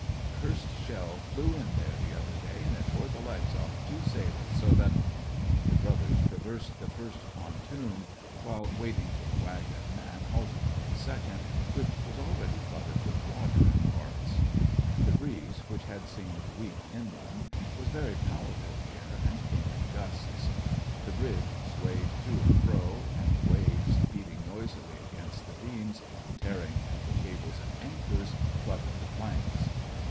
" A cursed shell flew in there the other day, and it tore the legs off of two sailors, so that ..." The brothers traversed the first pontoon, while waiting for the wagon, and halted on the second, which was already flooded with water in parts. The breeze, which had seemed weak inland, was very powerful here, and came in gusts ; the bridge swayed to and fro, and the waves, beating noisily against the beams, and tearing at the cables and anchors, flooded the planks.